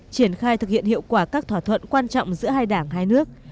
triển khai thực hiện hiệu quả các thỏa thuận quan trọng giữa hai đảng hai nước